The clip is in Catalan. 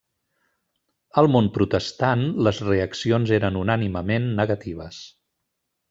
Al món protestant, les reaccions eren unànimement negatives.